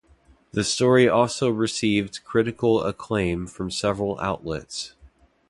The story also received critical acclaim from several outlets.